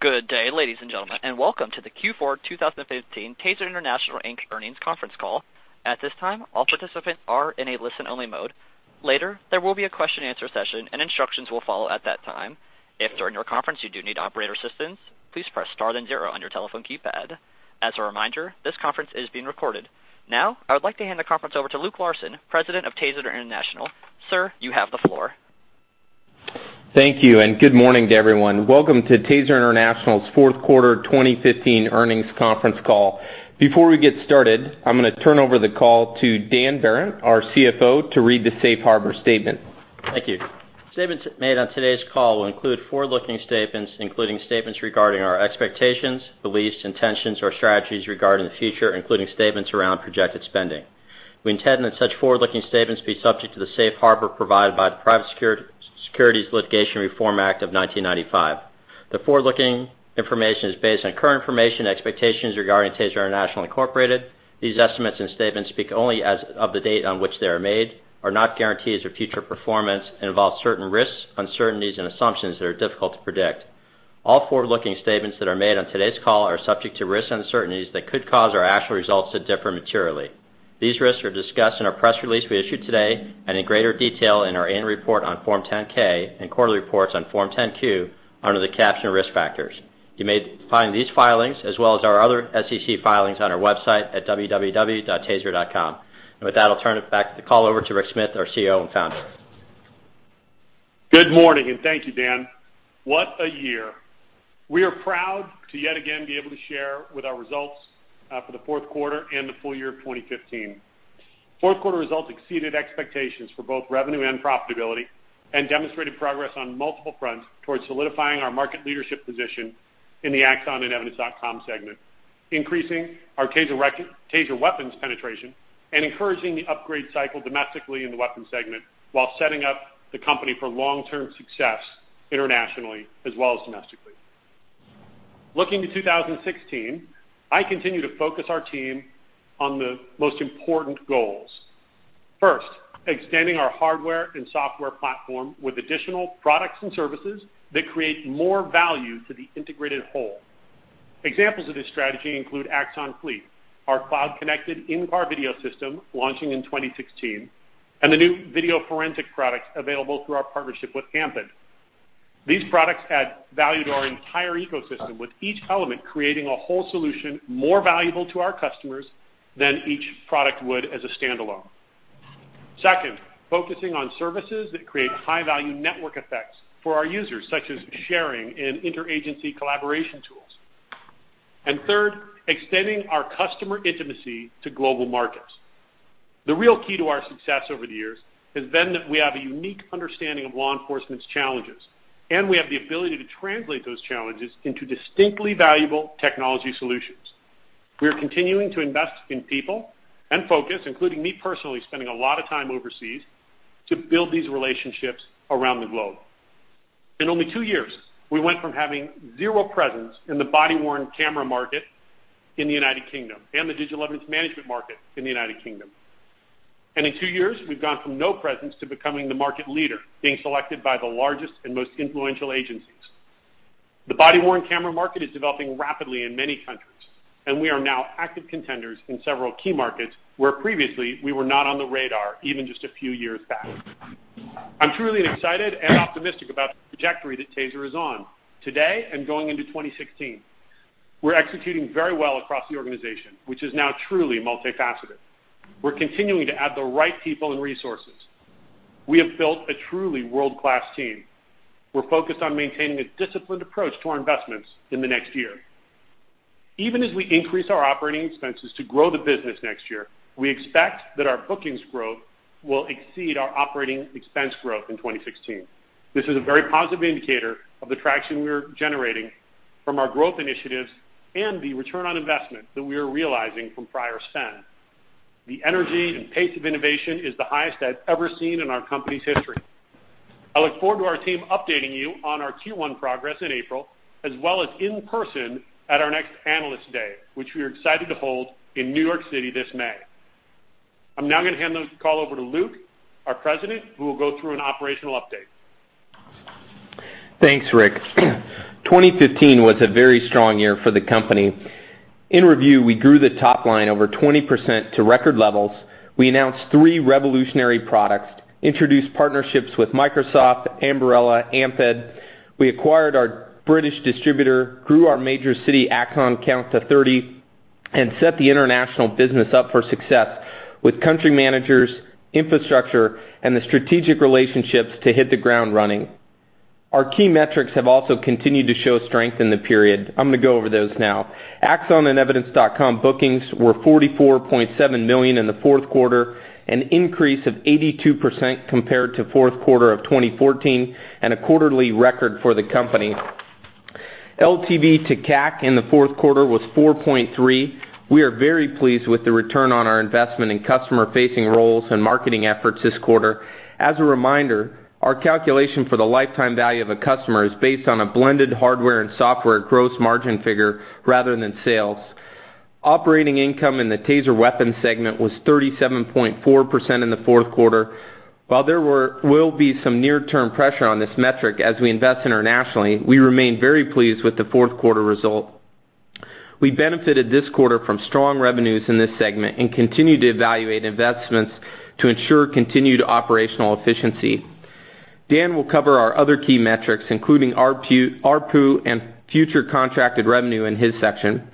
Good day, ladies and gentlemen, welcome to the Q4 2015 TASER International Inc. earnings conference call. At this time, all participants are in a listen-only mode. Later, there will be a question and answer session, instructions will follow at that time. If during your conference you do need operator assistance, please press star then zero on your telephone keypad. As a reminder, this conference is being recorded. I would like to hand the conference over to Luke Larson, President of TASER International. Sir, you have the floor. Thank you, good morning to everyone. Welcome to TASER International's fourth quarter 2015 earnings conference call. Before we get started, I'm going to turn over the call to Dan Behrendt, our CFO, to read the safe harbor statement. Thank you. Statements made on today's call will include forward-looking statements, including statements regarding our expectations, beliefs, intentions, or strategies regarding the future, including statements around projected spending. We intend that such forward-looking statements be subject to the safe harbor provided by the Private Securities Litigation Reform Act of 1995. The forward-looking information is based on current information and expectations regarding TASER International Incorporated. These estimates and statements speak only as of the date on which they are made, are not guarantees of future performance, involve certain risks, uncertainties, and assumptions that are difficult to predict. All forward-looking statements that are made on today's call are subject to risks and uncertainties that could cause our actual results to differ materially. These risks are discussed in our press release we issued today and in greater detail in our annual report on Form 10-K and quarterly reports on Form 10-Q under the caption Risk Factors. You may find these filings as well as our other SEC filings on our website at www.taser.com. With that, I'll turn it back the call over to Rick Smith, our CEO and founder. Good morning. Thank you, Dan. What a year. We are proud to yet again be able to share with our results, for the fourth quarter and the full year of 2015. Fourth quarter results exceeded expectations for both revenue and profitability and demonstrated progress on multiple fronts towards solidifying our market leadership position in the Axon and Evidence.com segment, increasing our TASER weapons penetration, and encouraging the upgrade cycle domestically in the weapons segment while setting up the company for long-term success internationally as well as domestically. Looking to 2016, I continue to focus our team on the most important goals. First, extending our hardware and software platform with additional products and services that create more value to the integrated whole. Examples of this strategy include Axon Fleet, our cloud-connected in-car video system launching in 2016, and the new video forensic product available through our partnership with AMPED. These products add value to our entire ecosystem, with each element creating a whole solution more valuable to our customers than each product would as a standalone. Second, focusing on services that create high-value network effects for our users, such as sharing and inter-agency collaboration tools. Third, extending our customer intimacy to global markets. The real key to our success over the years has been that we have a unique understanding of law enforcement's challenges, and we have the ability to translate those challenges into distinctly valuable technology solutions. We are continuing to invest in people and focus, including me personally spending a lot of time overseas to build these relationships around the globe. In only two years, we went from having zero presence in the body-worn camera market in the United Kingdom and the digital evidence management market in the United Kingdom. In two years, we've gone from no presence to becoming the market leader, being selected by the largest and most influential agencies. The body-worn camera market is developing rapidly in many countries, and we are now active contenders in several key markets where previously we were not on the radar even just a few years back. I'm truly excited and optimistic about the trajectory that TASER is on today and going into 2016. We're executing very well across the organization, which is now truly multifaceted. We're continuing to add the right people and resources. We have built a truly world-class team. We're focused on maintaining a disciplined approach to our investments in the next year. Even as we increase our operating expenses to grow the business next year, we expect that our bookings growth will exceed our operating expense growth in 2016. This is a very positive indicator of the traction we are generating from our growth initiatives and the return on investment that we are realizing from prior spend. The energy and pace of innovation is the highest I've ever seen in our company's history. I look forward to our team updating you on our Q1 progress in April, as well as in person at our next Analyst Day, which we are excited to hold in New York City this May. I'm now going to hand the call over to Luke, our president, who will go through an operational update. Thanks, Rick. 2015 was a very strong year for the company. In review, we grew the top line over 20% to record levels. We announced three revolutionary products, introduced partnerships with Microsoft, Ambarella, AMPED. We acquired our British distributor, grew our major city Axon count to 30, and set the international business up for success with country managers, infrastructure, and the strategic relationships to hit the ground running. Our key metrics have also continued to show strength in the period. I'm going to go over those now. Axon and Evidence.com bookings were $44.7 million in the fourth quarter, an increase of 82% compared to fourth quarter of 2014 and a quarterly record for the company. LTV to CAC in the fourth quarter was 4.3. We are very pleased with the return on our investment in customer-facing roles and marketing efforts this quarter. As a reminder, our calculation for the lifetime value of a customer is based on a blended hardware and software gross margin figure rather than sales. Operating income in the TASER Weapon segment was 37.4% in the fourth quarter. While there will be some near-term pressure on this metric as we invest internationally, we remain very pleased with the fourth quarter result. We benefited this quarter from strong revenues in this segment and continue to evaluate investments to ensure continued operational efficiency. Dan will cover our other key metrics, including ARPU and future contracted revenue in his section.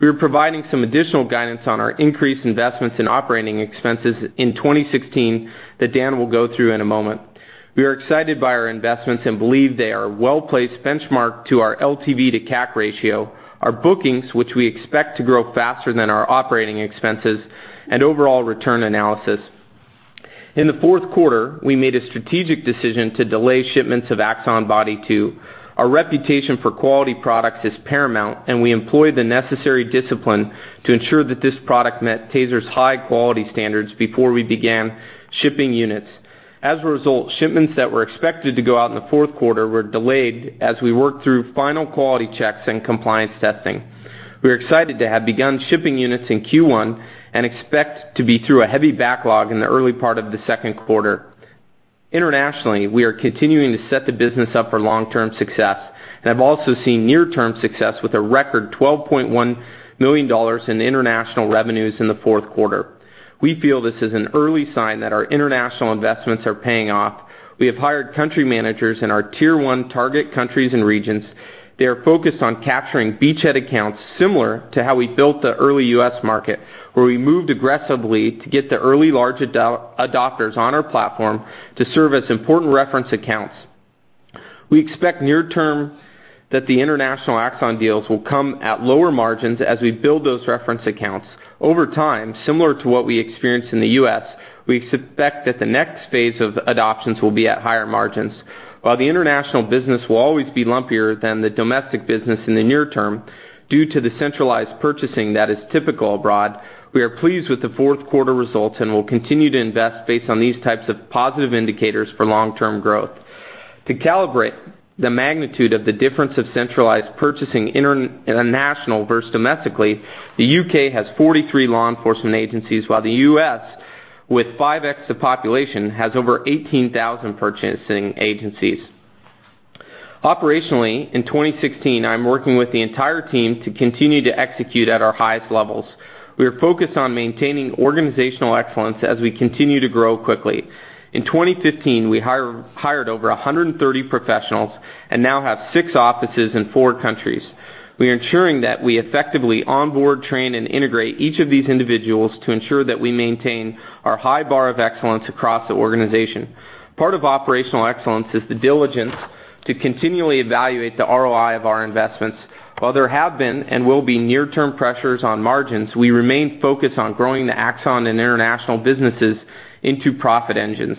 We are providing some additional guidance on our increased investments in operating expenses in 2016 that Dan will go through in a moment. We are excited by our investments and believe they are well-placed benchmarked to our LTV to CAC ratio, our bookings, which we expect to grow faster than our operating expenses, and overall return analysis. In the fourth quarter, we made a strategic decision to delay shipments of Axon Body 2. Our reputation for quality products is paramount, and we employ the necessary discipline to ensure that this product met TASER's high quality standards before we began shipping units. As a result, shipments that were expected to go out in the fourth quarter were delayed as we worked through final quality checks and compliance testing. We're excited to have begun shipping units in Q1 and expect to be through a heavy backlog in the early part of the second quarter. Internationally, we are continuing to set the business up for long-term success and have also seen near-term success with a record $12.1 million in international revenues in the fourth quarter. We feel this is an early sign that our international investments are paying off. We have hired country managers in our tier 1 target countries and regions. They are focused on capturing beachhead accounts similar to how we built the early U.S. market, where we moved aggressively to get the early large adopters on our platform to serve as important reference accounts. We expect near term that the international Axon deals will come at lower margins as we build those reference accounts. Over time, similar to what we experienced in the U.S., we expect that the next phase of adoptions will be at higher margins. While the international business will always be lumpier than the domestic business in the near term, due to the centralized purchasing that is typical abroad, we are pleased with the fourth quarter results and will continue to invest based on these types of positive indicators for long-term growth. To calibrate the magnitude of the difference of centralized purchasing international versus domestically, the U.K. has 43 law enforcement agencies, while the U.S., with 5x the population, has over 18,000 purchasing agencies. Operationally, in 2016, I'm working with the entire team to continue to execute at our highest levels. We are focused on maintaining organizational excellence as we continue to grow quickly. In 2015, we hired over 130 professionals and now have six offices in four countries. We are ensuring that we effectively onboard, train, and integrate each of these individuals to ensure that we maintain our high bar of excellence across the organization. Part of operational excellence is the diligence to continually evaluate the ROI of our investments. While there have been and will be near-term pressures on margins, we remain focused on growing the Axon and international businesses into profit engines.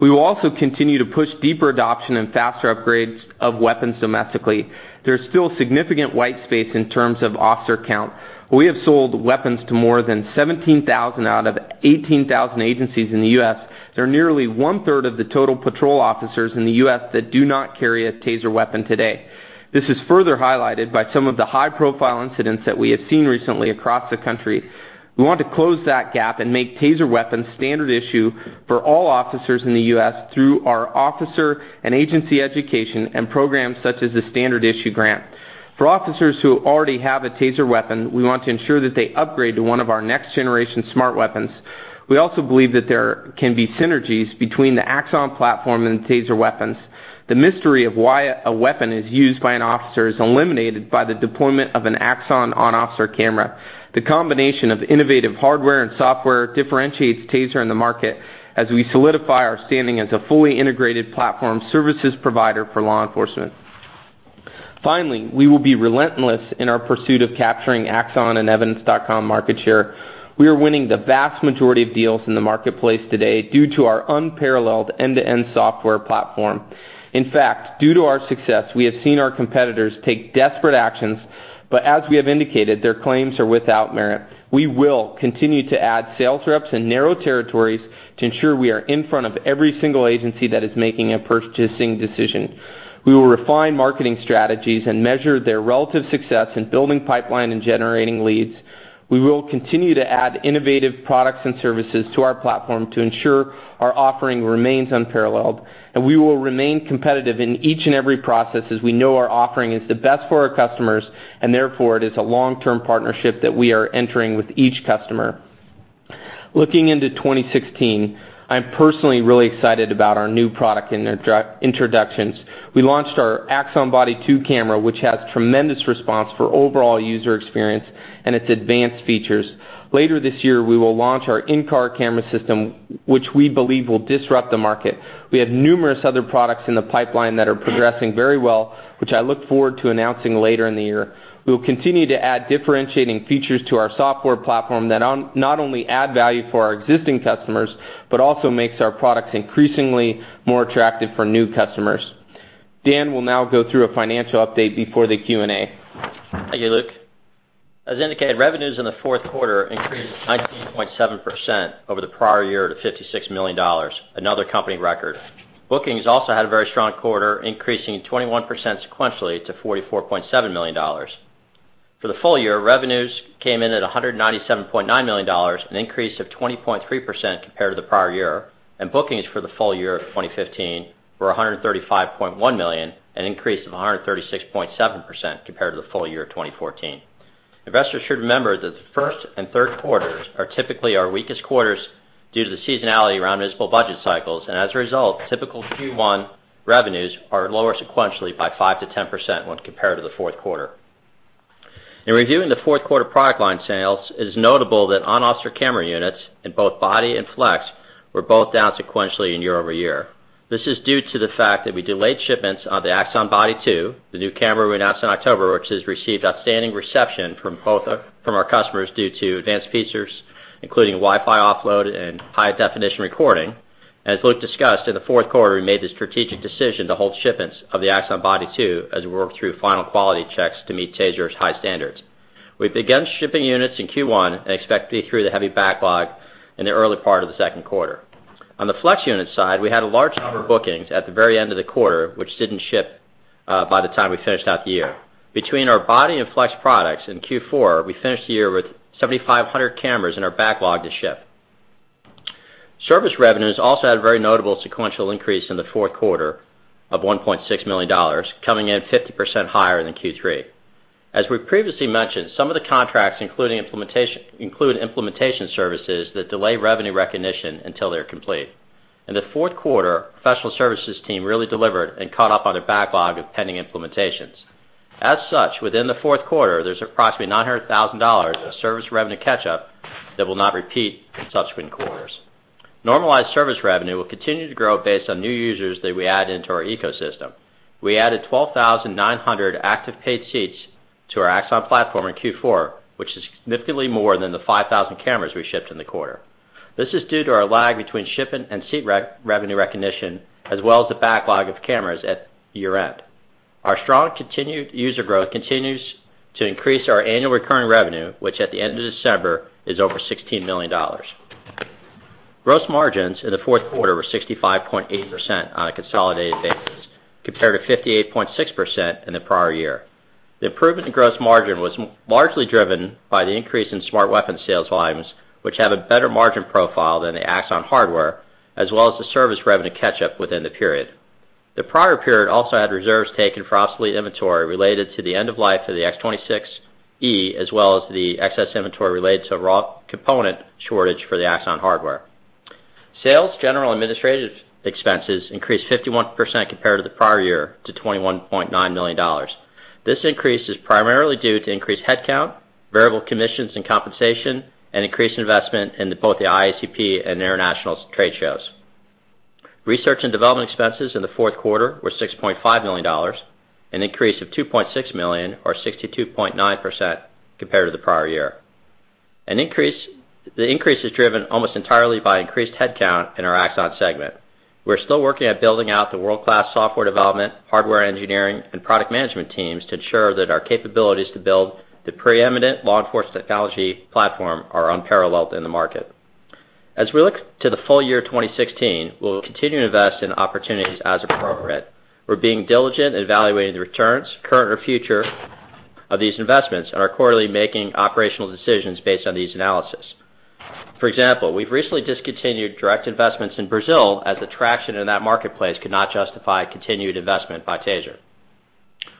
We will also continue to push deeper adoption and faster upgrades of weapons domestically. There is still significant white space in terms of officer count. We have sold weapons to more than 17,000 out of 18,000 agencies in the U.S. There are nearly one-third of the total patrol officers in the U.S. that do not carry a TASER weapon today. This is further highlighted by some of the high-profile incidents that we have seen recently across the country. We want to close that gap and make TASER weapons standard issue for all officers in the U.S. through our officer and agency education and programs such as the Standard Issue Grant. For officers who already have a TASER weapon, we want to ensure that they upgrade to one of our next-generation smart weapons. We also believe that there can be synergies between the Axon platform and TASER weapons. The mystery of why a weapon is used by an officer is eliminated by the deployment of an Axon on-officer camera. The combination of innovative hardware and software differentiates TASER in the market as we solidify our standing as a fully integrated platform services provider for law enforcement. Finally, we will be relentless in our pursuit of capturing Axon and Evidence.com market share. We are winning the vast majority of deals in the marketplace today due to our unparalleled end-to-end software platform. In fact, due to our success, we have seen our competitors take desperate actions, but as we have indicated, their claims are without merit. We will continue to add sales reps in narrow territories to ensure we are in front of every single agency that is making a purchasing decision. We will refine marketing strategies and measure their relative success in building pipeline and generating leads. We will continue to add innovative products and services to our platform to ensure our offering remains unparalleled, and we will remain competitive in each and every process as we know our offering is the best for our customers, and therefore, it is a long-term partnership that we are entering with each customer. Looking into 2016, I'm personally really excited about our new product introductions. We launched our Axon Body 2 camera, which has tremendous response for overall user experience and its advanced features. Later this year, we will launch our in-car camera system, which we believe will disrupt the market. We have numerous other products in the pipeline that are progressing very well, which I look forward to announcing later in the year. We will continue to add differentiating features to our software platform that not only add value for our existing customers but also makes our products increasingly more attractive for new customers. Dan Behrendt will now go through a financial update before the Q&A. Thank you, Luke Larson. As indicated, revenues in the fourth quarter increased 19.7% over the prior year to $56 million, another company record. Bookings also had a very strong quarter, increasing 21% sequentially to $44.7 million. For the full year, revenues came in at $197.9 million, an increase of 20.3% compared to the prior year. Bookings for the full year of 2015 were $135.1 million, an increase of 136.7% compared to the full year of 2014. Investors should remember that the first and third quarters are typically our weakest quarters due to the seasonality around municipal budget cycles, and as a result, typical Q1 revenues are lower sequentially by 5%-10% when compared to the fourth quarter. In reviewing the fourth quarter product line sales, it is notable that on-officer camera units in both Body and Flex were both down sequentially and year-over-year. This is due to the fact that we delayed shipments of the Axon Body 2, the new camera we announced in October, which has received outstanding reception from our customers due to advanced features, including Wi-Fi offload and high-definition recording. As Luke discussed, in the fourth quarter, we made the strategic decision to hold shipments of the Axon Body 2 as we worked through final quality checks to meet TASER's high standards. We've begun shipping units in Q1 and expect to be through the heavy backlog in the early part of the second quarter. On the Flex unit side, we had a large number of bookings at the very end of the quarter, which didn't ship by the time we finished out the year. Between our Body and Flex products in Q4, we finished the year with 7,500 cameras in our backlog to ship. Service revenues also had a very notable sequential increase in the fourth quarter of $1.6 million, coming in 50% higher than Q3. As we previously mentioned, some of the contracts include implementation services that delay revenue recognition until they're complete. In the fourth quarter, professional services team really delivered and caught up on their backlog of pending implementations. As such, within the fourth quarter, there's approximately $900,000 of service revenue catch-up that will not repeat in subsequent quarters. Normalized service revenue will continue to grow based on new users that we add into our ecosystem. We added 12,900 active paid seats to our Axon platform in Q4, which is significantly more than the 5,000 cameras we shipped in the quarter. This is due to our lag between shipment and seat revenue recognition, as well as the backlog of cameras at year-end. Our strong continued user growth continues to increase our annual recurring revenue, which at the end of December is over $16 million. Gross margins in the fourth quarter were 65.8% on a consolidated basis compared to 58.6% in the prior year. The improvement in gross margin was largely driven by the increase in Smart Weapon sales volumes, which have a better margin profile than the Axon hardware, as well as the service revenue catch-up within the period. The prior period also had reserves taken for obsolete inventory related to the end of life of the X26E, as well as the excess inventory related to raw component shortage for the Axon hardware. Sales, general, and administrative expenses increased 51% compared to the prior year to $21.9 million. This increase is primarily due to increased headcount, variable commissions and compensation, and increased investment in both the IACP and international trade shows. Research and development expenses in the fourth quarter were $6.5 million, an increase of $2.6 million or 62.9% compared to the prior year. The increase is driven almost entirely by increased headcount in our Axon segment. We're still working at building out the world-class software development, hardware engineering, and product management teams to ensure that our capabilities to build the preeminent law enforcement technology platform are unparalleled in the market. As we look to the full year 2016, we'll continue to invest in opportunities as appropriate. We're being diligent in evaluating the returns, current or future, of these investments and are quarterly making operational decisions based on these analyses. For example, we've recently discontinued direct investments in Brazil as the traction in that marketplace could not justify continued investment by TASER.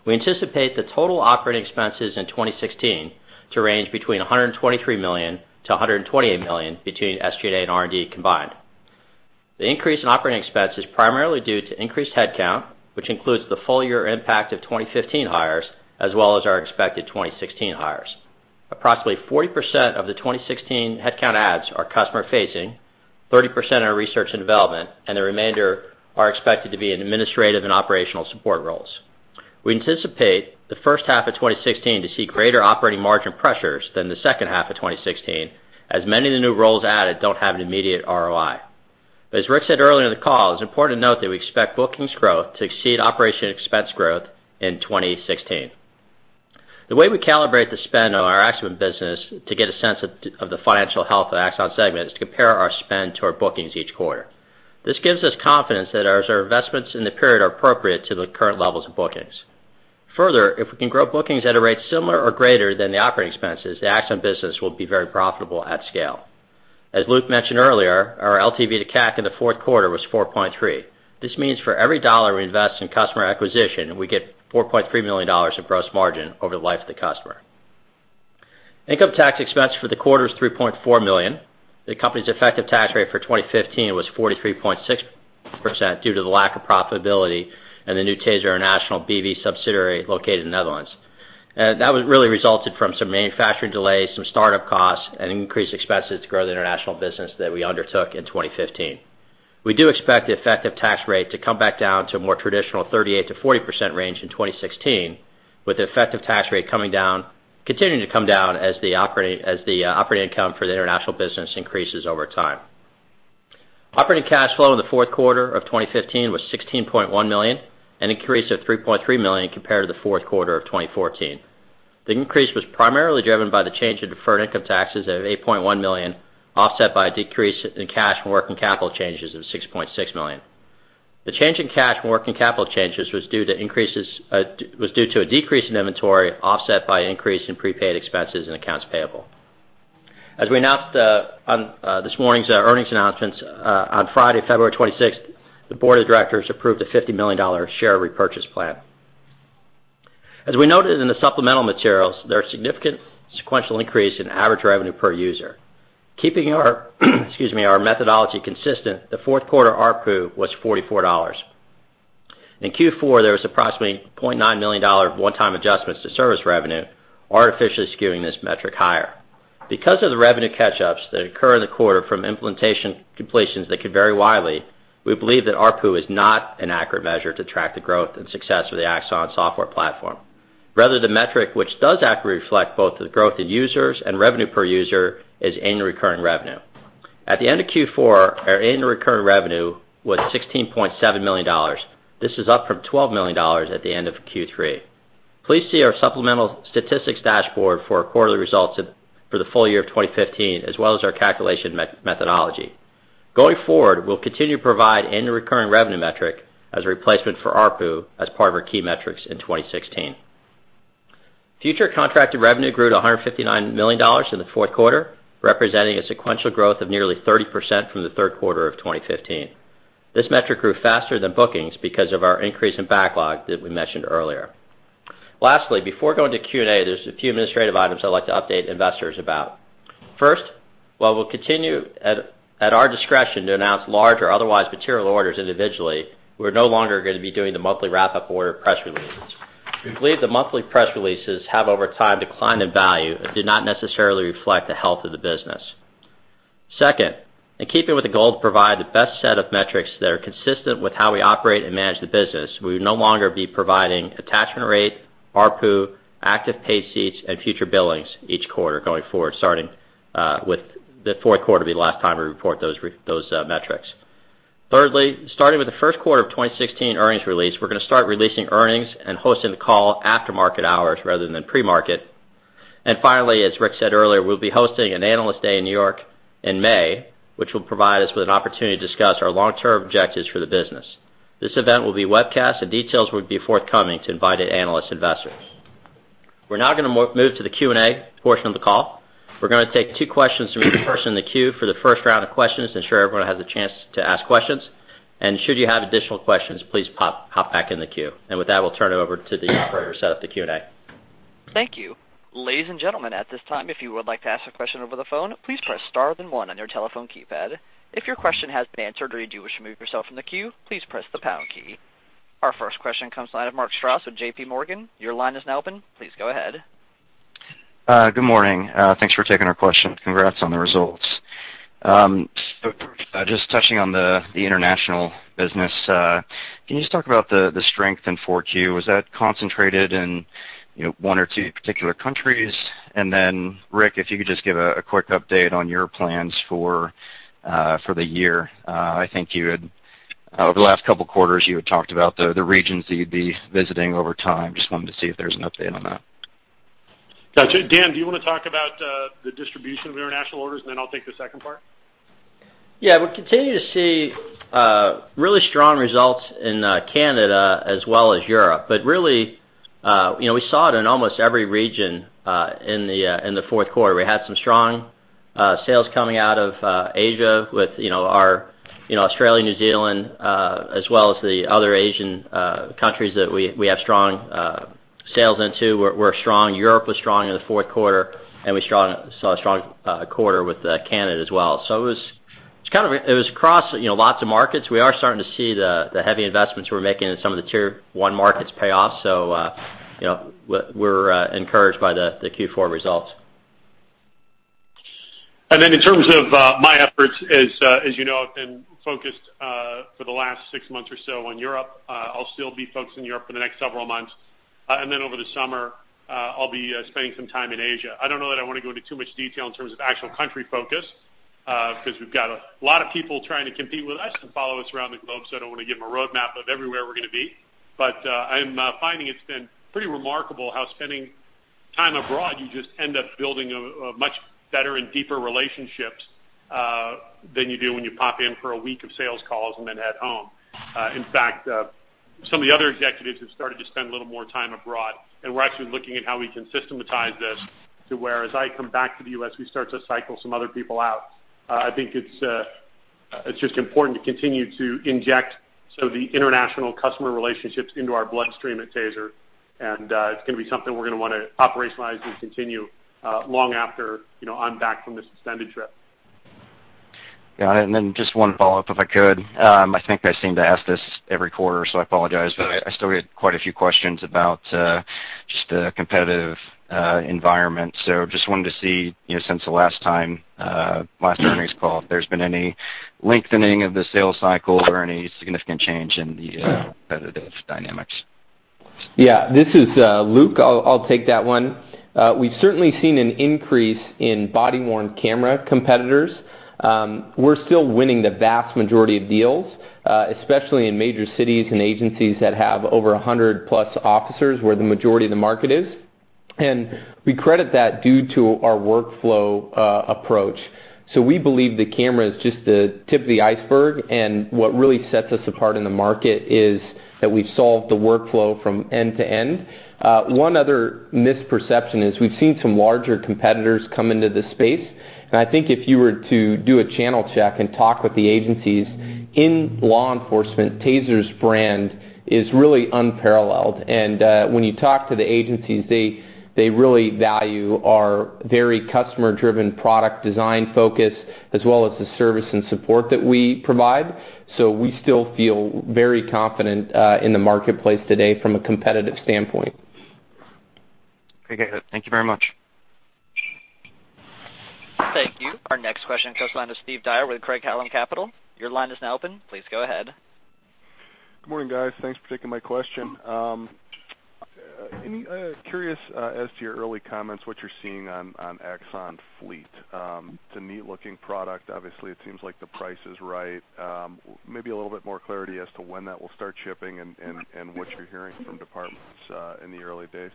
We anticipate the total operating expenses in 2016 to range between $123 million-$128 million between SG&A and R&D combined. The increase in operating expense is primarily due to increased headcount, which includes the full year impact of 2015 hires, as well as our expected 2016 hires. Approximately 40% of the 2016 headcount adds are customer facing, 30% are research and development, and the remainder are expected to be in administrative and operational support roles. We anticipate the first half of 2016 to see greater operating margin pressures than the second half of 2016, as many of the new roles added don't have an immediate ROI. As Rick said earlier in the call, it's important to note that we expect bookings growth to exceed operating expense growth in 2016. The way we calibrate the spend on our Axon business to get a sense of the financial health of the Axon segment is to compare our spend to our bookings each quarter. This gives us confidence that our investments in the period are appropriate to the current levels of bookings. Further, if we can grow bookings at a rate similar or greater than the operating expenses, the Axon business will be very profitable at scale. As Luke mentioned earlier, our LTV to CAC in the fourth quarter was 4.3. This means for every dollar we invest in customer acquisition, we get $4.3 million of gross margin over the life of the customer. Income tax expense for the quarter is $3.4 million. The company's effective tax rate for 2015 was 43.6% due to the lack of profitability in the new TASER International B.V. subsidiary located in the Netherlands. That really resulted from some manufacturing delays, some startup costs, and increased expenses to grow the international business that we undertook in 2015. We do expect the effective tax rate to come back down to a more traditional 38%-40% range in 2016, with the effective tax rate continuing to come down as the operating income for the international business increases over time. Operating cash flow in the fourth quarter of 2015 was $16.1 million, an increase of $3.3 million compared to the fourth quarter of 2014. The increase was primarily driven by the change in deferred income taxes of $8.1 million, offset by a decrease in cash from working capital changes of $6.6 million. The change in cash from working capital changes was due to a decrease in inventory, offset by an increase in prepaid expenses and accounts payable. As we announced on this morning's earnings announcements, on Friday, February 26th, the board of directors approved a $50 million share repurchase plan. As we noted in the supplemental materials, there are significant sequential increase in average revenue per user. Keeping our methodology consistent, the fourth quarter ARPU was $44. In Q4, there was approximately $0.9 million one-time adjustments to service revenue, artificially skewing this metric higher. Because of the revenue catch-ups that occur in the quarter from implementation completions that could vary widely, we believe that ARPU is not an accurate measure to track the growth and success of the Axon software platform. Rather, the metric which does accurately reflect both the growth in users and revenue per user is annual recurring revenue. At the end of Q4, our annual recurring revenue was $16.7 million. This is up from $12 million at the end of Q3. Please see our supplemental statistics dashboard for our quarterly results for the full year of 2015, as well as our calculation methodology. Going forward, we'll continue to provide annual recurring revenue metric as a replacement for ARPU as part of our key metrics in 2016. Future contracted revenue grew to $159 million in the fourth quarter, representing a sequential growth of nearly 30% from the third quarter of 2015. This metric grew faster than bookings because of our increase in backlog that we mentioned earlier. Lastly, before going to Q&A, there's a few administrative items I'd like to update investors about. First, while we'll continue at our discretion to announce large or otherwise material orders individually, we're no longer going to be doing the monthly wrap-up order press releases. We believe the monthly press releases have, over time, declined in value and did not necessarily reflect the health of the business. Second, in keeping with the goal to provide the best set of metrics that are consistent with how we operate and manage the business, we will no longer be providing attachment rate, ARPU, active paid seats, and future billings each quarter going forward, starting with the fourth quarter will be the last time we report those metrics. Thirdly, starting with the first quarter of 2016 earnings release, we're going to start releasing earnings and hosting the call after market hours rather than pre-market. Finally, as Rick said earlier, we'll be hosting an Analyst Day in New York in May, which will provide us with an opportunity to discuss our long-term objectives for the business. This event will be webcast, and details will be forthcoming to invited analyst investors. We're now going to move to the Q&A portion of the call. We're going to take two questions from each person in the queue for the first round of questions, ensure everyone has a chance to ask questions. Should you have additional questions, please hop back in the queue. With that, we'll turn it over to the operator to set up the Q&A. Thank you. Ladies and gentlemen, at this time, if you would like to ask a question over the phone, please press star then 1 on your telephone keypad. If your question has been answered or you do wish to remove yourself from the queue, please press the pound key. Our first question comes the line of Mark Strouse with JPMorgan. Your line is now open. Please go ahead. Good morning. Thanks for taking our question. Congrats on the results. Just touching on the international business, can you just talk about the strength in 4Q? Was that concentrated in one or two particular countries? Then Rick, if you could just give a quick update on your plans for the year. I think over the last couple of quarters, you had talked about the regions that you'd be visiting over time. Just wanted to see if there's an update on that. Dan, do you want to talk about the distribution of international orders, then I'll take the second part? Yeah. Really, we saw it in almost every region in the fourth quarter. We had some strong sales coming out of Asia with our Australia, New Zealand, as well as the other Asian countries that we have strong sales into, were strong. Europe was strong in the fourth quarter. We saw a strong quarter with Canada as well. It was across lots of markets. We are starting to see the heavy investments we're making in some of the tier 1 markets pay off. We're encouraged by the Q4 results. In terms of my efforts, as you know, I've been focused for the last six months or so on Europe. I'll still be focused on Europe for the next several months. Over the summer, I'll be spending some time in Asia. I don't know that I want to go into too much detail in terms of actual country focus, because we've got a lot of people trying to compete with us and follow us around the globe, so I don't want to give them a roadmap of everywhere we're going to be. I'm finding it's been pretty remarkable how spending time abroad, you just end up building a much better and deeper relationships than you do when you pop in for a week of sales calls and then head home. In fact, some of the other executives have started to spend a little more time abroad. We're actually looking at how we can systematize this to where, as I come back to the U.S., we start to cycle some other people out. I think it's just important to continue to inject some of the international customer relationships into our bloodstream at TASER. It's going to be something we're going to want to operationalize and continue long after I'm back from this extended trip. Got it. Just one follow-up, if I could. I think I seem to ask this every quarter, I apologize, I still get quite a few questions about just the competitive environment. Just wanted to see, since the last earnings call, if there's been any lengthening of the sales cycle or any significant change in the competitive dynamics. Yeah. This is Luke. I'll take that one. We've certainly seen an increase in body-worn camera competitors. We're still winning the vast majority of deals, especially in major cities and agencies that have over 100-plus officers, where the majority of the market is. We credit that due to our workflow approach. We believe the camera is just the tip of the iceberg, and what really sets us apart in the market is that we've solved the workflow from end to end. One other misperception is we've seen some larger competitors come into this space. I think if you were to do a channel check and talk with the agencies in law enforcement, TASER's brand is really unparalleled. When you talk to the agencies, they really value our very customer-driven product design focus, as well as the service and support that we provide. We still feel very confident in the marketplace today from a competitive standpoint. Okay, good. Thank you very much. Thank you. Our next question comes from Steve Dyer with Craig-Hallum Capital. Your line is now open. Please go ahead. Good morning, guys. Thanks for taking my question. Curious as to your early comments, what you're seeing on Axon Fleet. It's a neat-looking product. Obviously, it seems like the price is right. Maybe a little bit more clarity as to when that will start shipping and what you're hearing from departments in the early days.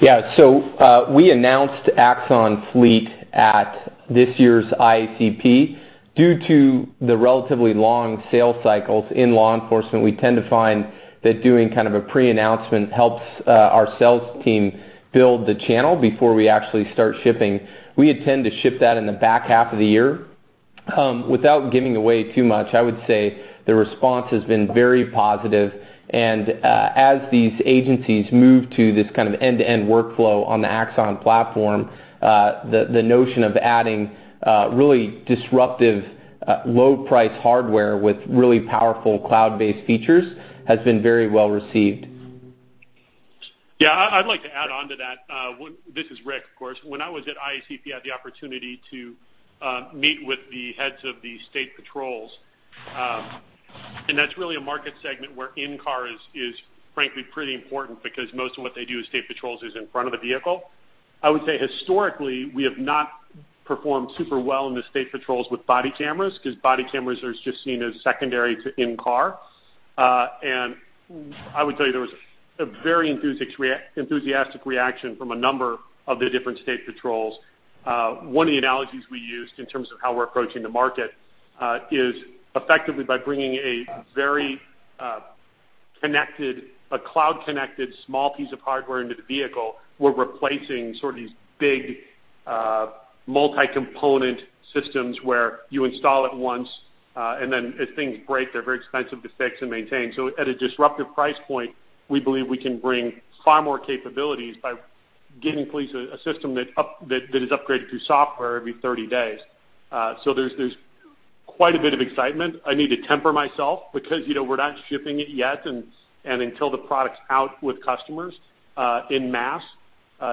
Yeah. We announced Axon Fleet at this year's IACP. Due to the relatively long sales cycles in law enforcement, we tend to find that doing kind of a pre-announcement helps our sales team build the channel before we actually start shipping. We intend to ship that in the back half of the year. Without giving away too much, I would say the response has been very positive, and as these agencies move to this kind of end-to-end workflow on the Axon platform, the notion of adding really disruptive low-price hardware with really powerful cloud-based features has been very well received. Yeah. I'd like to add onto that. This is Rick, of course. When I was at IACP, I had the opportunity to meet with the heads of the state patrols, and that's really a market segment where in-car is frankly pretty important because most of what they do as state patrols is in front of a vehicle. I would say historically, we have not performed super well in the state patrols with body cameras, because body cameras are just seen as secondary to in-car. I would tell you there was a very enthusiastic reaction from a number of the different state patrols. One of the analogies we used in terms of how we're approaching the market, is effectively by bringing a very cloud-connected small piece of hardware into the vehicle, we're replacing sort of these big multi-component systems where you install it once, and then as things break, they're very expensive to fix and maintain. At a disruptive price point, we believe we can bring far more capabilities by giving police a system that is upgraded through software every 30 days. There's quite a bit of excitement. I need to temper myself because we're not shipping it yet, and until the product's out with customers en masse,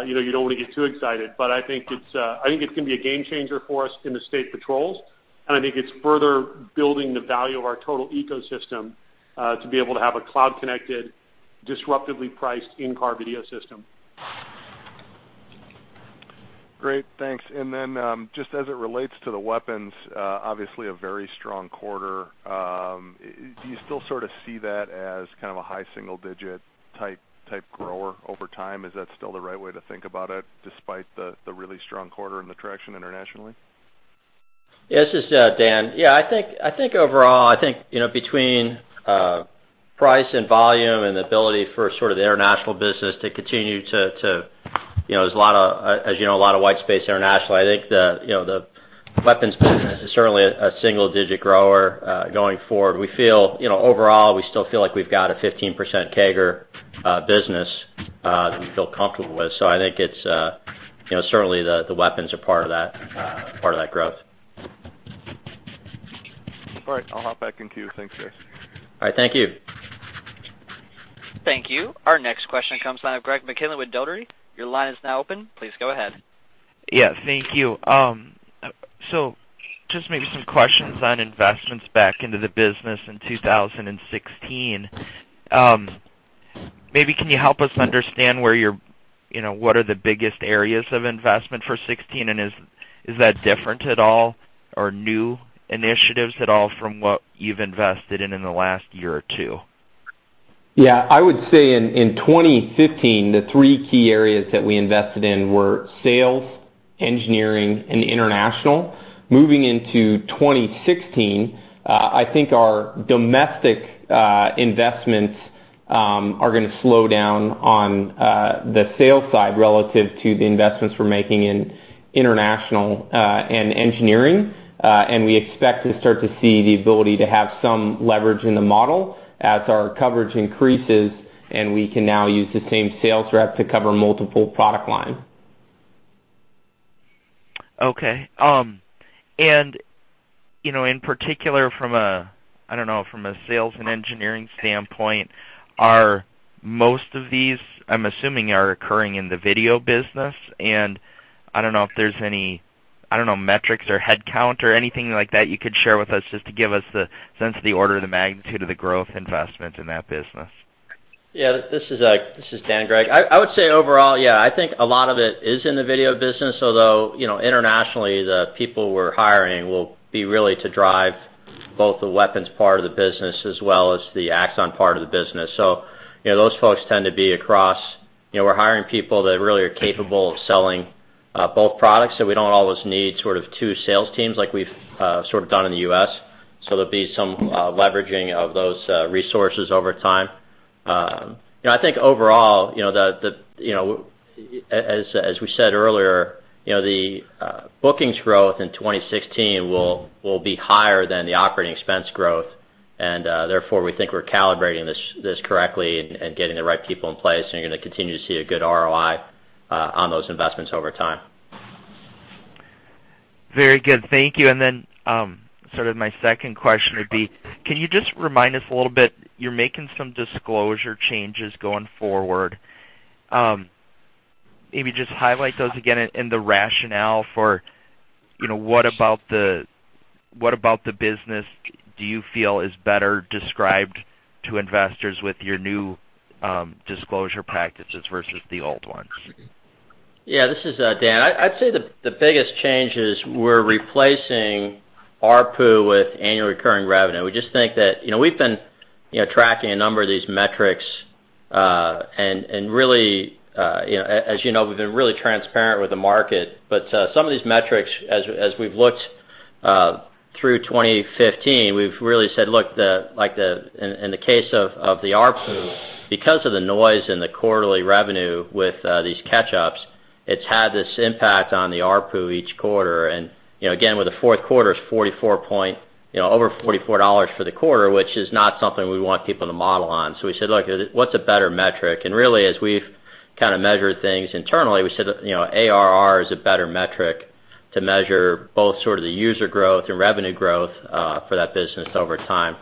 you don't want to get too excited. I think it's going to be a game changer for us in the state patrols, and I think it's further building the value of our total ecosystem, to be able to have a cloud-connected, disruptively priced in-car video system. Great, thanks. Then just as it relates to the weapons, obviously a very strong quarter. Do you still sort of see that as kind of a high single-digit type grower over time? Is that still the right way to think about it despite the really strong quarter and the traction internationally? This is Dan. Yeah, I think overall, between price and volume and ability for sort of the international business to continue to, as you know, a lot of white space internationally, I think the weapons business is certainly a single-digit grower going forward. Overall, we still feel like we've got a 15% CAGR business that we feel comfortable with. So I think certainly the weapons are part of that growth. All right. I'll hop back in queue. Thanks, guys. All right. Thank you. Thank you. Our next question comes from Greg McKinley with Dougherty. Your line is now open. Please go ahead. Yeah, thank you. Just maybe some questions on investments back into the business in 2016. Maybe can you help us understand what are the biggest areas of investment for 2016, is that different at all or new initiatives at all from what you've invested in in the last year or two? Yeah. I would say in 2015, the three key areas that we invested in were sales, engineering, and international. Moving into 2016, I think our domestic investments are going to slow down on the sales side relative to the investments we're making in international and engineering. We expect to start to see the ability to have some leverage in the model as our coverage increases, and we can now use the same sales rep to cover multiple product lines. In particular from a, I don't know, from a sales and engineering standpoint, are most of these, I'm assuming, are occurring in the video business? I don't know if there's any metrics or headcount or anything like that you could share with us just to give us the sense of the order of the magnitude of the growth investment in that business. Yeah, this is Dan, Greg. I would say overall, yeah, I think a lot of it is in the video business, although internationally, the people we're hiring will be really to drive both the weapons part of the business as well as the Axon part of the business. Those folks tend to be across. We're hiring people that really are capable of selling both products, so we don't always need sort of two sales teams like we've sort of done in the U.S. There'll be some leveraging of those resources over time. I think overall, as we said earlier, the bookings growth in 2016 will be higher than the operating expense growth and therefore we think we're calibrating this correctly and getting the right people in place, and you're going to continue to see a good ROI on those investments over time. Very good. Thank you. Sort of my second question would be, can you just remind us a little bit, you're making some disclosure changes going forward. Maybe just highlight those again and the rationale for what about the business do you feel is better described to investors with your new disclosure practices versus the old ones? Yeah, this is Dan. I'd say the biggest change is we're replacing ARPU with annual recurring revenue. We just think that, we've been tracking a number of these metrics, and as you know, we've been really transparent with the market. Some of these metrics, as we've looked through 2015, we've really said, look, in the case of the ARPU, because of the noise in the quarterly revenue with these catch-ups, it's had this impact on the ARPU each quarter. Again, with the fourth quarter's over $44 for the quarter, which is not something we want people to model on. We said, "Look, what's a better metric?" Really, as we've kind of measured things internally, we said ARR is a better metric to measure both sort of the user growth and revenue growth for that business over time.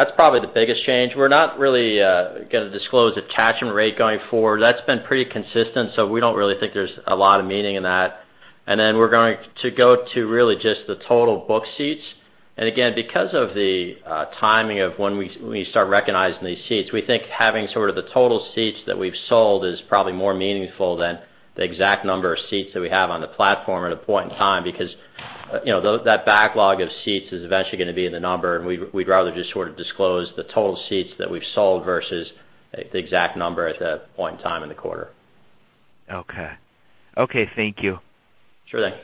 That's probably the biggest change. We're not really going to disclose attachment rate going forward. That's been pretty consistent. We don't really think there's a lot of meaning in that. We're going to go to really just the total booked seats. Again, because of the timing of when we start recognizing these seats, we think having sort of the total seats that we've sold is probably more meaningful than the exact number of seats that we have on the platform at a point in time. That backlog of seats is eventually going to be the number, and we'd rather just sort of disclose the total seats that we've sold versus the exact number at that point in time in the quarter. Okay. Thank you. Sure thing.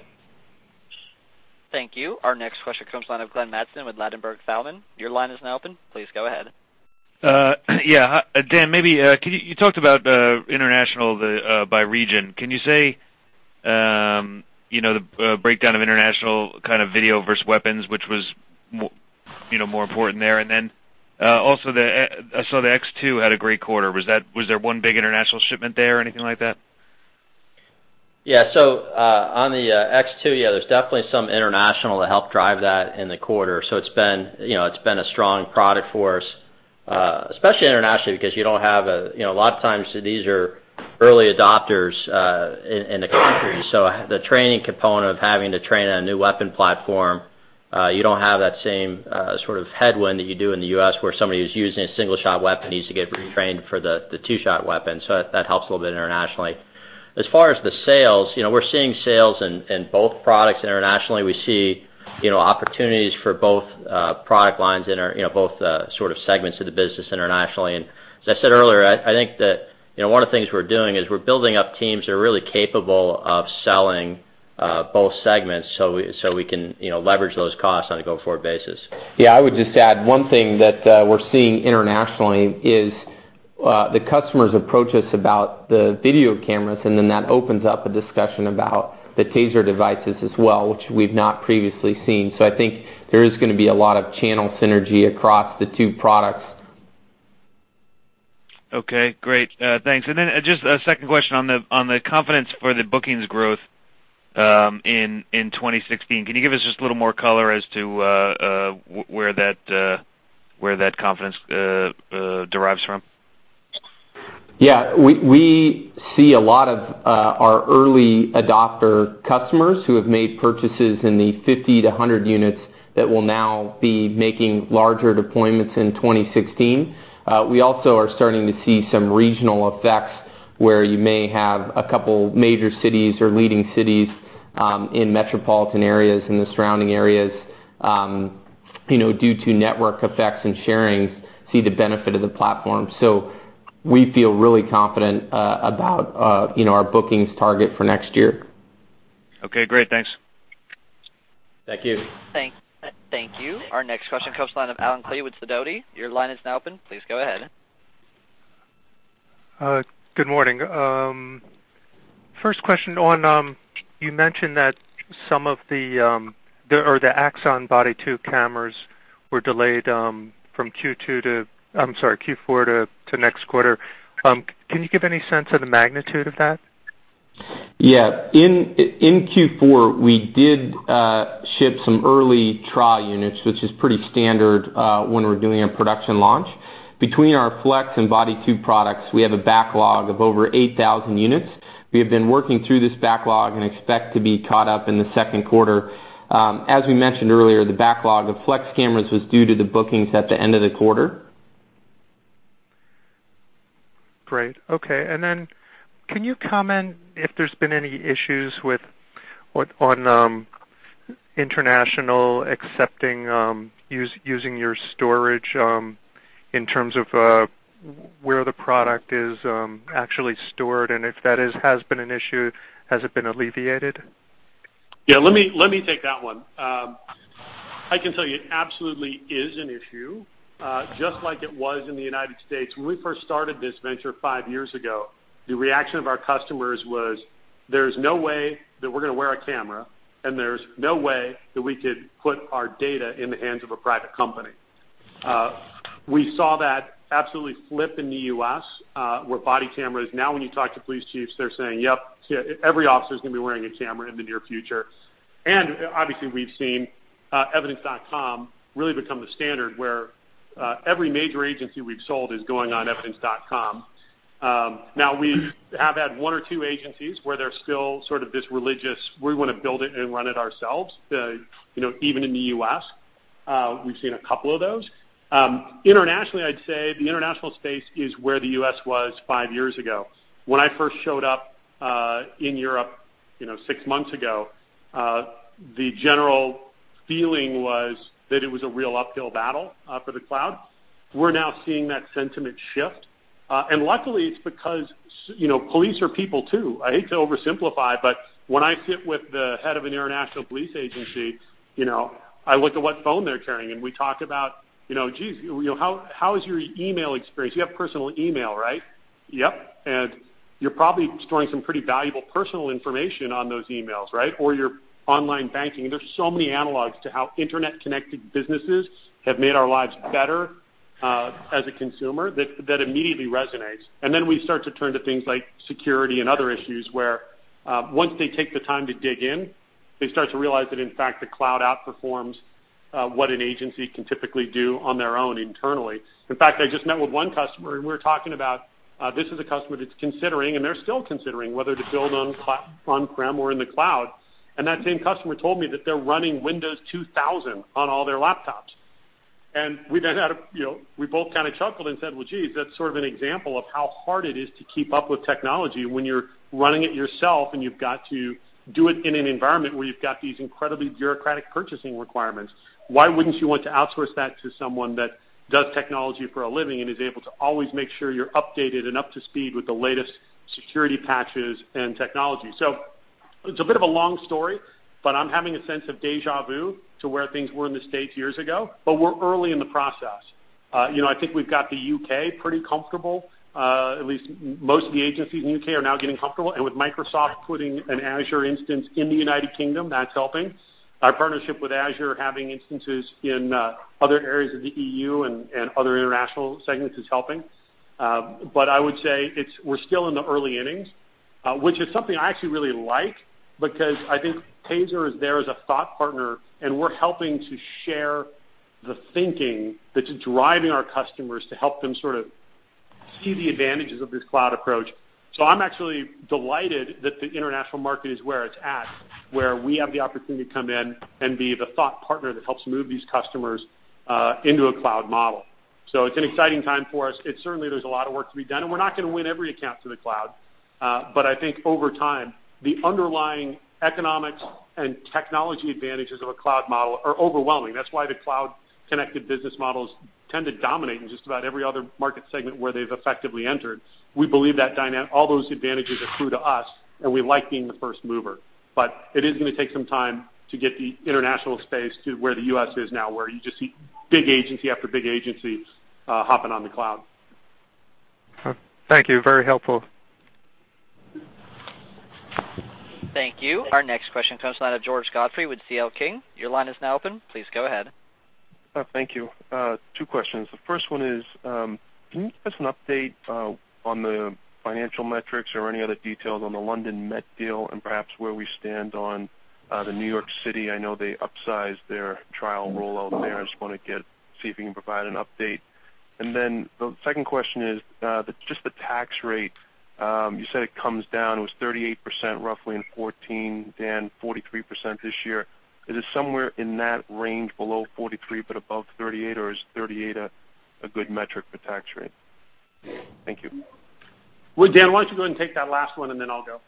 Thank you. Our next question comes the line of Glenn Mattson with Ladenburg Thalmann. Your line is now open. Please go ahead. Yeah. Dan, maybe, you talked about international by region. Can you say the breakdown of international kind of video versus weapons, which was more important there? Also I saw the TASER X2 had a great quarter. Was there one big international shipment there or anything like that? Yeah. On the TASER X2, yeah, there's definitely some international that helped drive that in the quarter. It's been a strong product for us, especially internationally, because a lot of times these are early adopters in the country. The training component of having to train on a new weapon platform, you don't have that same sort of headwind that you do in the U.S., where somebody who's using a single-shot weapon needs to get retrained for the two-shot weapon. That helps a little bit internationally. As far as the sales, we're seeing sales in both products internationally. We see opportunities for both product lines in both sort of segments of the business internationally. As I said earlier, I think that one of the things we're doing is we're building up teams that are really capable of selling both segments so we can leverage those costs on a go-forward basis. Yeah. I would just add one thing that we're seeing internationally is the customers approach us about the video cameras, and then that opens up a discussion about the TASER devices as well, which we've not previously seen. I think there is going to be a lot of channel synergy across the two products. Okay, great. Thanks. Just a second question on the confidence for the bookings growth in 2016. Can you give us just a little more color as to where that confidence derives from? Yeah. We see a lot of our early adopter customers who have made purchases in the 50-100 units that will now be making larger deployments in 2016. We also are starting to see some regional effects where you may have a couple major cities or leading cities, in metropolitan areas, in the surrounding areas, due to network effects and sharing, see the benefit of the platform. We feel really confident about our bookings target for next year. Okay, great. Thanks. Thank you. Thank you. Our next question comes the line of Alan Klee with Sidoti & Company. Your line is now open. Please go ahead. Good morning. First question on, you mentioned that some of the Axon Body 2 cameras were delayed from Q4 to next quarter. Can you give any sense of the magnitude of that? Yeah. In Q4, we did ship some early trial units, which is pretty standard when we're doing a production launch. Between our Axon Flex and Axon Body 2 products, we have a backlog of over 8,000 units. We have been working through this backlog and expect to be caught up in the second quarter. As we mentioned earlier, the backlog of Axon Flex cameras was due to the bookings at the end of the quarter. Can you comment if there's been any issues with on international accepting using your storage, in terms of where the product is actually stored, and if that has been an issue, has it been alleviated? Yeah, let me take that one. I can tell you it absolutely is an issue, just like it was in the United States when we first started this venture five years ago. The reaction of our customers was, "There's no way that we're going to wear a camera, and there's no way that we could put our data in the hands of a private company." We saw that absolutely flip in the U.S., where body cameras now when you talk to police chiefs, they're saying, "Yep, every officer's going to be wearing a camera in the near future." Obviously, we've seen Evidence.com really become the standard where every major agency we've sold is going on Evidence.com. Now, we have had one or two agencies where they're still sort of this religious, we want to build it and run it ourselves even in the U.S. We've seen a couple of those. Internationally, I'd say the international space is where the U.S. was five years ago. When I first showed up in Europe six months ago, the general feeling was that it was a real uphill battle for the cloud. We're now seeing that sentiment shift. Luckily, it's because police are people too. I hate to oversimplify, but when I sit with the head of an international police agency, I look at what phone they're carrying, and we talk about, "Jeez, how is your email experience? You have personal email, right?" "Yep." You're probably storing some pretty valuable personal information on those emails, right? Or your online banking. There's so many analogies to how internet-connected businesses have made our lives better, as a consumer, that immediately resonates. Then we start to turn to things like security and other issues where, once they take the time to dig in, they start to realize that, in fact, the cloud outperforms what an agency can typically do on their own internally. In fact, I just met with one customer, and we were talking about. This is a customer that's considering, and they're still considering whether to build on-prem or in the cloud. That same customer told me that they're running Windows 2000 on all their laptops. We both kind of chuckled and said, "Well, jeez, that's sort of an example of how hard it is to keep up with technology when you're running it yourself, and you've got to do it in an environment where you've got these incredibly bureaucratic purchasing requirements. Why wouldn't you want to outsource that to someone that does technology for a living and is able to always make sure you're updated and up to speed with the latest security patches and technology?" It's a bit of a long story, but I'm having a sense of deja vu to where things were in the States years ago, but we're early in the process. I think we've got the U.K. pretty comfortable. At least most of the agencies in the U.K. are now getting comfortable. With Microsoft putting an Azure instance in the United Kingdom, that's helping. Our partnership with Azure, having instances in other areas of the EU and other international segments is helping. I would say we're still in the early innings, which is something I actually really like because I think TASER is there as a thought partner, and we're helping to share the thinking that's driving our customers to help them sort of see the advantages of this cloud approach. I'm actually delighted that the international market is where it's at, where we have the opportunity to come in and be the thought partner that helps move these customers into a cloud model. It's an exciting time for us. Certainly, there's a lot of work to be done, and we're not going to win every account to the cloud. I think over time, the underlying economics and technology advantages of a cloud model are overwhelming. That's why the cloud-connected business models tend to dominate in just about every other market segment where they've effectively entered. We believe that all those advantages accrue to us, and we like being the first mover. It is going to take some time to get the international space to where the U.S. is now, where you just see big agency after big agency hopping on the cloud. Thank you. Very helpful. Thank you. Our next question comes from the line of George Godfrey with C.L. King. Your line is now open. Please go ahead. Thank you. two questions. The first one is, can you give us an update on the financial metrics or any other details on the London Met deal and perhaps where we stand on the New York City? I know they upsized their trial rollout there. I just want to see if you can provide an update. The second question is, just the tax rate. You said it comes down. It was 38% roughly in 2014, Dan, 43% this year. Is it somewhere in that range below 43 but above 38, or is 38 a good metric for tax rate? Thank you. Well, Dan, why don't you go ahead and take that last one. Then I'll go.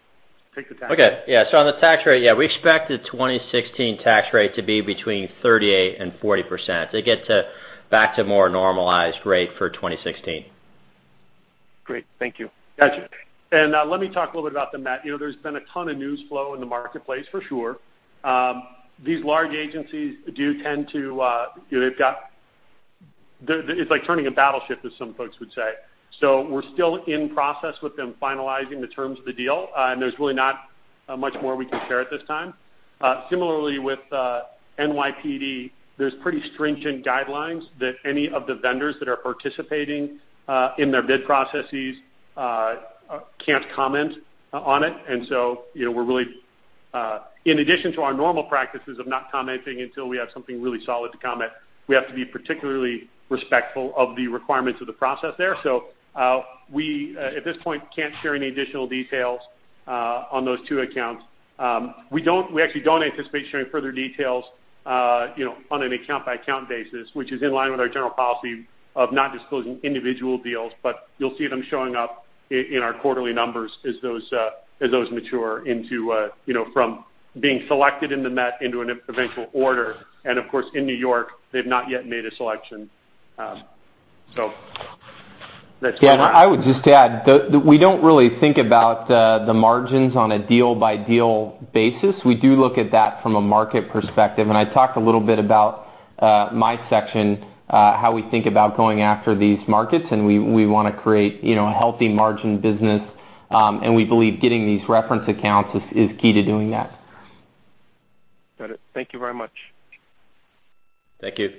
Take the tax rate. Okay. Yeah. On the tax rate, yeah, we expect the 2016 tax rate to be between 38% and 40%. It gets back to more normalized rate for 2016. Great. Thank you. Let me talk a little bit about the Met. There's been a ton of news flow in the marketplace for sure. These large agencies do tend to It's like turning a battleship, as some folks would say. We're still in process with them finalizing the terms of the deal, and there's really not much more we can share at this time. Similarly, with NYPD, there's pretty stringent guidelines that any of the vendors that are participating in their bid processes can't comment on it. In addition to our normal practices of not commenting until we have something really solid to comment, we have to be particularly respectful of the requirements of the process there. We, at this point, can't share any additional details on those two accounts. We actually don't anticipate sharing further details on an account-by-account basis, which is in line with our general policy of not disclosing individual deals, but you'll see them showing up in our quarterly numbers as those mature from being selected in the Met into an eventual order. Of course, in New York, they've not yet made a selection. Yeah, I would just add, we don't really think about the margins on a deal-by-deal basis. We do look at that from a market perspective, and I talked a little bit about my section, how we think about going after these markets, and we want to create a healthy margin business. We believe getting these reference accounts is key to doing that. Got it. Thank you very much. Thank you.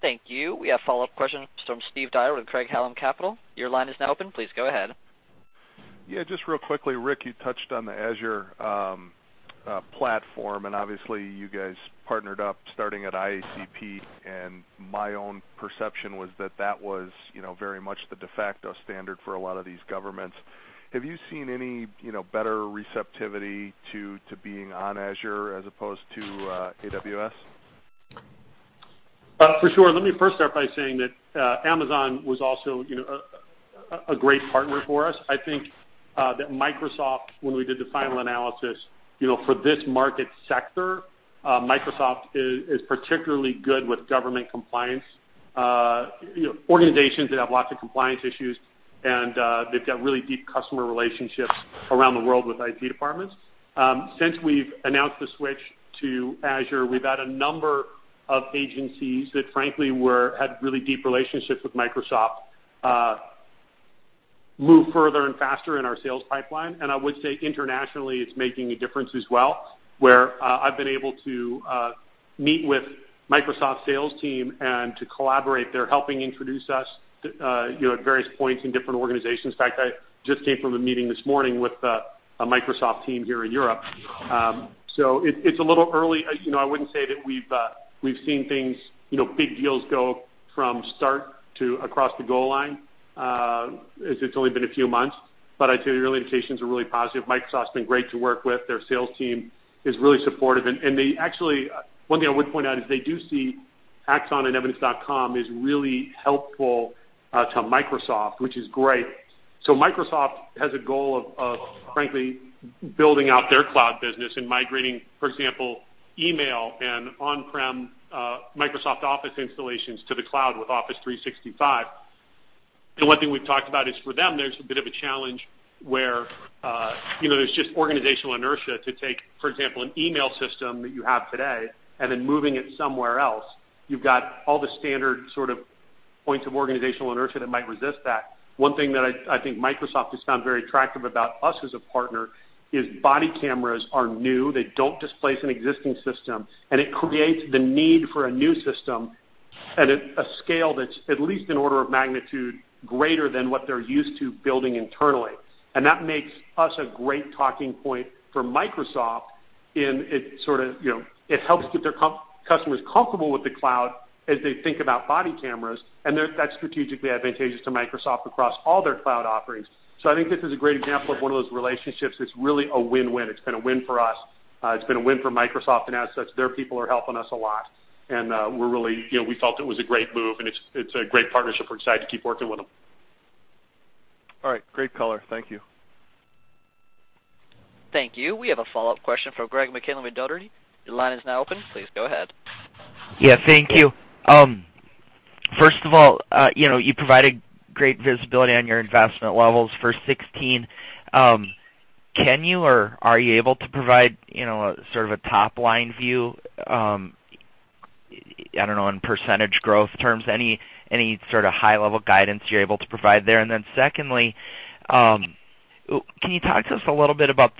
Thank you. We have follow-up questions from Steve Dyer with Craig-Hallum Capital. Your line is now open. Please go ahead. Just real quickly, Rick, you touched on the Azure platform, and obviously you guys partnered up starting at IACP, and my own perception was that that was very much the de facto standard for a lot of these governments. Have you seen any better receptivity to being on Azure as opposed to AWS? For sure. Let me first start by saying that Amazon was also a great partner for us. I think that Microsoft, when we did the final analysis for this market sector, Microsoft is particularly good with government compliance. Organizations, they have lots of compliance issues, and they've got really deep customer relationships around the world with IT departments. Since we've announced the switch to Azure, we've had a number of agencies that, frankly, had really deep relationships with Microsoft, move further and faster in our sales pipeline. I would say internationally, it's making a difference as well, where I've been able to meet with Microsoft sales team and to collaborate. They're helping introduce us at various points in different organizations. In fact, I just came from a meeting this morning with a Microsoft team here in Europe. It's a little early. I wouldn't say that we've seen things, big deals go from start to across the goal line, as it's only been a few months. I tell you, the early indications are really positive. Microsoft's been great to work with. Their sales team is really supportive. One thing I would point out is they do see Axon and Evidence.com as really helpful to Microsoft, which is great. Microsoft has a goal of, frankly, building out their cloud business and migrating, for example, email and on-prem Microsoft Office installations to the cloud with Office 365. One thing we've talked about is for them, there's a bit of a challenge where there's just organizational inertia to take, for example, an email system that you have today and then moving it somewhere else. You've got all the standard sort of points of organizational inertia that might resist that. One thing that I think Microsoft has found very attractive about us as a partner is body cameras are new. They don't displace an existing system, and it creates the need for a new system at a scale that's at least an order of magnitude greater than what they're used to building internally. That makes us a great talking point for Microsoft in it sort of helps get their customers comfortable with the cloud as they think about body cameras, and that's strategically advantageous to Microsoft across all their cloud offerings. I think this is a great example of one of those relationships that's really a win-win. It's been a win for us. It's been a win for Microsoft, and as such, their people are helping us a lot. We felt it was a great move, and it's a great partnership. We're excited to keep working with them. All right. Great color. Thank you. Thank you. We have a follow-up question from Greg McKinley with Dougherty. Your line is now open. Please go ahead. Yeah, thank you. First of all, you provided great visibility on your investment levels for 2016. Then secondly, can you talk to us a little bit about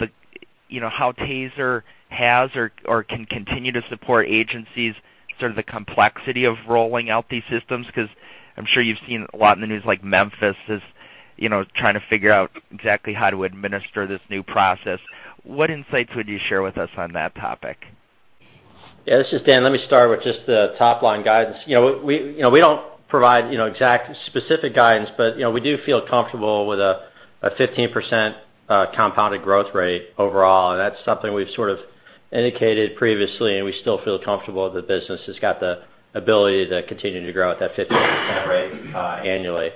how TASER has or can continue to support agencies, sort of the complexity of rolling out these systems? Because I'm sure you've seen a lot in the news, like Memphis is trying to figure out exactly how to administer this new process. What insights would you share with us on that topic? Yeah, this is Dan. Let me start with just the top-line guidance. We don't provide exact specific guidance, but we do feel comfortable with a 15% compounded growth rate overall, and that's something we've sort of indicated previously, and we still feel comfortable that the business has got the ability to continue to grow at that 15% rate annually.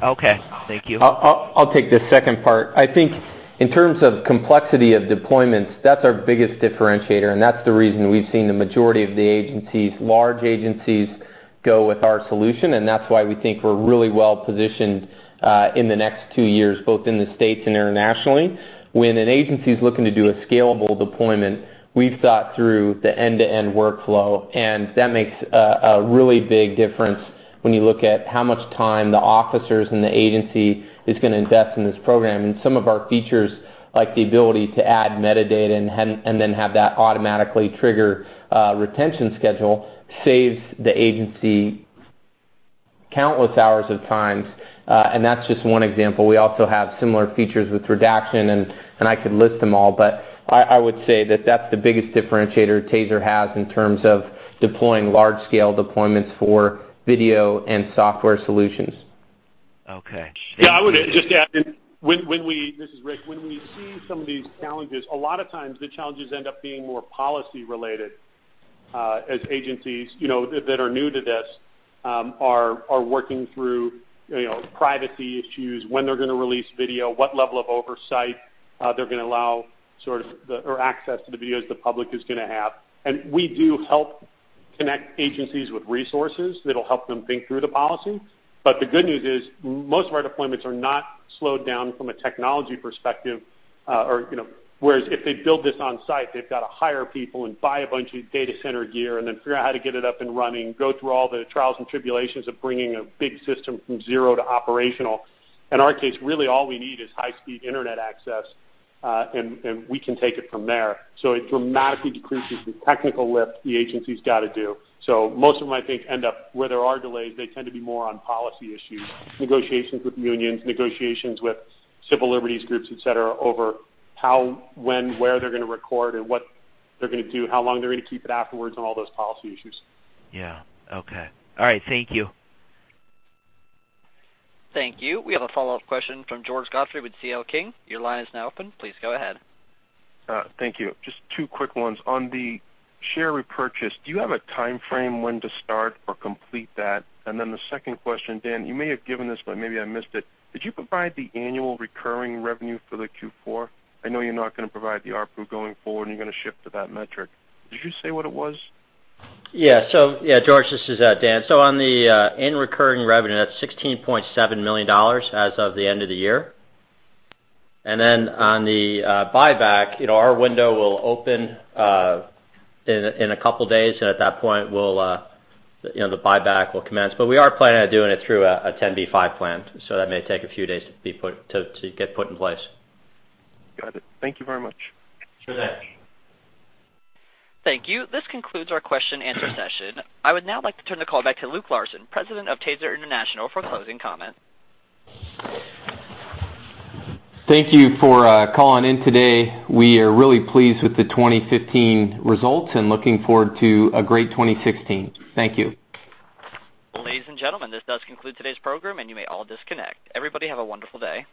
Okay. Thank you. I'll take the second part. I think in terms of complexity of deployments, that's our biggest differentiator, and that's the reason we've seen the majority of the agencies, large agencies, go with our solution, and that's why we think we're really well-positioned in the next 2 years, both in the U.S. and internationally. When an agency is looking to do a scalable deployment, we've thought through the end-to-end workflow, that makes a really big difference when you look at how much time the officers and the agency is going to invest in this program. Some of our features, like the ability to add metadata and then have that automatically trigger a retention schedule, saves the agency countless hours of times. That's just one example. We also have similar features with redaction, and I could list them all, but I would say that that's the biggest differentiator TASER has in terms of deploying large-scale deployments for video and software solutions. Okay. Yeah, I would just add in, this is Rick. When we see some of these challenges, a lot of times the challenges end up being more policy-related, as agencies that are new to this are working through privacy issues, when they're going to release video, what level of oversight they're going to allow, sort of, or access to the videos the public is going to have. We do help connect agencies with resources that'll help them think through the policy. The good news is, most of our deployments are not slowed down from a technology perspective, whereas if they build this on-site, they've got to hire people and buy a bunch of data center gear, and then figure out how to get it up and running, go through all the trials and tribulations of bringing a big system from zero to operational. In our case, really all we need is high-speed internet access, and we can take it from there. It dramatically decreases the technical lift the agency's got to do. Most of them, I think, end up where there are delays, they tend to be more on policy issues, negotiations with unions, negotiations with civil liberties groups, et cetera, over how, when, where they're going to record or what they're going to do, how long they're going to keep it afterwards, and all those policy issues. Yeah. Okay. All right. Thank you. Thank you. We have a follow-up question from George Godfrey with C.L. King. Your line is now open. Please go ahead. Thank you. Just two quick ones. On the share repurchase, do you have a timeframe when to start or complete that? The second question, Dan, you may have given this, but maybe I missed it. Could you provide the annual recurring revenue for the Q4? I know you're not going to provide the ARPU going forward, and you're going to shift to that metric. Did you say what it was? Yeah. George, this is Dan. On the annual recurring revenue, that's $16.7 million as of the end of the year. On the buyback, our window will open in a couple of days, and at that point, the buyback will commence. We are planning on doing it through a 10b5-1 plan, that may take a few days to get put in place. Got it. Thank you very much. Sure thing. Thank you. This concludes our question and answer session. I would now like to turn the call back to Luke Larson, President of TASER International, for closing comments. Thank you for calling in today. We are really pleased with the 2015 results and looking forward to a great 2016. Thank you. Ladies and gentlemen, this does conclude today's program, and you may all disconnect. Everybody, have a wonderful day.